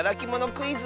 クイズ！